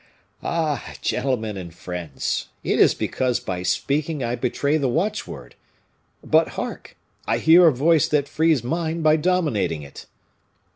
"Ah! gentlemen and friends! it is because by speaking I betray the watchword. But, hark! I hear a voice that frees mine by dominating it."